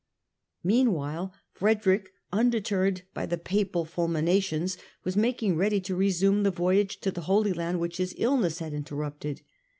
Meanwhile, Frederick, undeterred by the Papal fulminations, was making ready to resume the voyage to the Holy Land which his illness had interrupted.